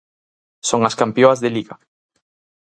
Son as campioas de Liga.